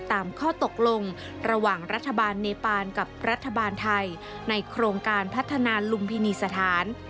ตามข้อตกลงระหว่างรัฐบาลเนปานกับรัฐบาลไทยในโครงการพัฒนาลุมพินีสถาน